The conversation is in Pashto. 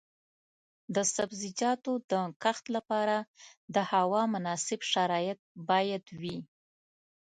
د سبزیجاتو د کښت لپاره د هوا مناسب شرایط باید وي.